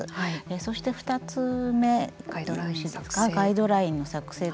そして、２つ目ガイドラインの作成